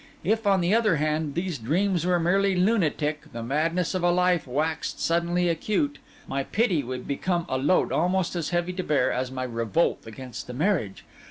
If, on the other hand, these dreams were merely lunatic, the madness of a life waxed suddenly acute, my pity would become a load almost as heavy to bear as my revolt against the marriage.